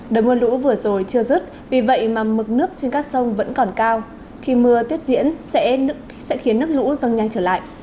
đợt mưa lũ vừa rồi chưa dứt vì vậy mà mực nước trên các sông vẫn còn cao khi mưa tiếp diễn lũ dâng nhanh trở lại